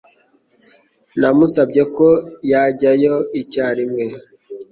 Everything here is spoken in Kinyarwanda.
Namusabye ko yajyayo icyarimwe.